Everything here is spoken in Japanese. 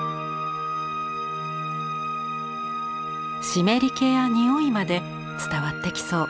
湿り気や匂いまで伝わってきそう。